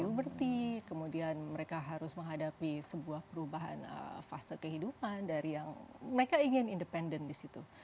uberty kemudian mereka harus menghadapi sebuah perubahan fase kehidupan dari yang mereka ingin independen di situ